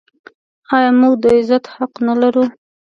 آیا موږ د عزت حق نلرو؟